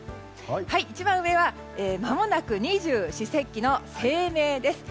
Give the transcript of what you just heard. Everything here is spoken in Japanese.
一番上はまもなく二十四節気の清明です。